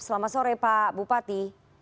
selamat sore pak bupati